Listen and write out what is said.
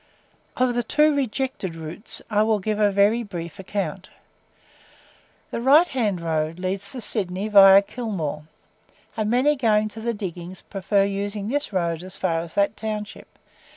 Of the two rejected routes I will give a very brief account. The right hand road leads to Sydney, VIA Kilmore, and many going to the diggings prefer using this road as far as that township.